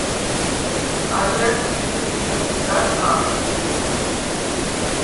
ალჲა̈რს ჩი̄ ვისგვს გარ ხა̄მნე.